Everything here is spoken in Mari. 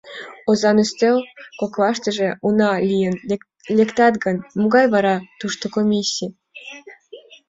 Озан ӱстел коклаштыже уна лийын лектат гын, могай вара тушто комиссий!